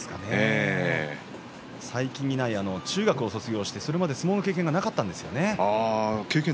最近にない、中学を卒業してそれまで相撲の経験がないんですね。